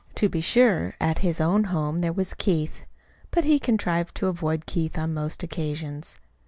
To be sure, at his own home there was Keith; but he contrived to avoid Keith on most occasions.